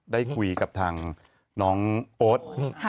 ได้คุยกับทางน้องโอ๊ต